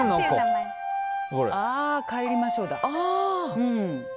ああ、帰りましょうだ。